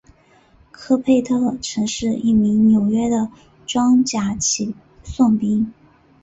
科贝特曾是一名纽约的装甲骑送兵。